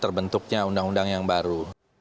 terbentuknya undang undang yang baru